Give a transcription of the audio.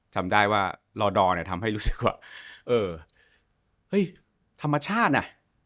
จำได้ว่ารอดอร์เนี่ยทำให้รู้สึกว่าเออเฮ้ยธรรมชาติน่ะ